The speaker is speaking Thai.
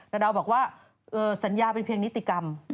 แต่ดาวบอกว่าสัญญาเป็นเพียงนิติกรรม